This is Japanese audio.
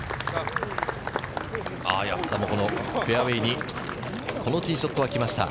安田もフェアウエーにこのティーショットは来ました。